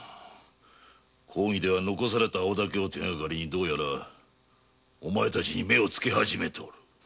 公儀では残された青竹を手がかりにどうやらお前たちに目をつけ始めたようだ。